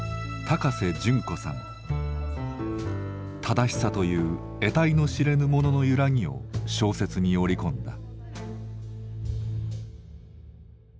正しさというえたいの知れぬものの揺らぎを小説に織り込んだ。